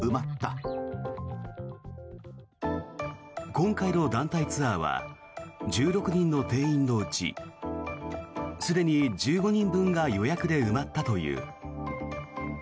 今回の団体ツアーは１６人の定員のうちすでに１５人分が予約で埋まったという。